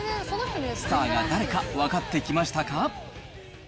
スターが誰か分かってきましたか？